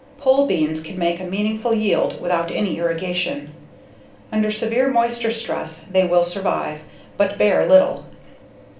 Pole beans can make a meaningful yield without any irrigation; under severe moisture stress they will survive, but bear little.